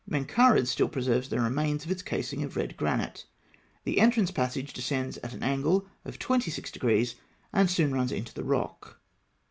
Menkara's still preserves the remains of its casing of red granite (Note 31). The entrance passage descends at an angle of twenty six degrees, and soon runs into the rock.